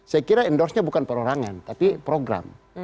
saya kira endorse nya bukan perorangan tapi program